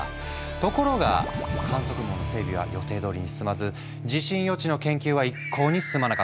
ところが観測網の整備は予定どおりに進まず地震予知の研究は一向に進まなかったの。